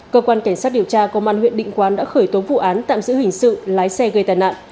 cơ quan cảnh sát điều tra công an huyện định quán đã khởi tố vụ án tạm giữ hình sự lái xe gây tai nạn